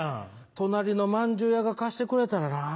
隣のまんじゅう屋が貸してくれたらなぁ。